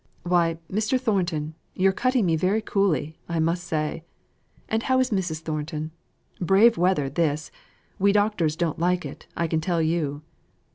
"Why, Mr. Thornton! you're cutting me very coolly, I must say. And how is Mrs. Thornton? Brave weather this! We doctors don't like it, I can tell you!"